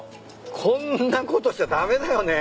こんなことしちゃ駄目だよね。